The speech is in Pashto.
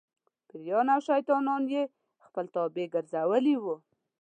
پېریان او شیطانان یې خپل تابع ګرځولي وو.